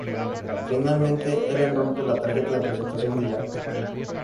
Finalmente, Helen rompe la tarjeta de presentación de Jack.